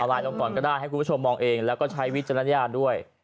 ไลน์ลงก่อนก็ได้ให้คุณผู้ชมมองเองแล้วก็ใช้วิจารณญาณด้วย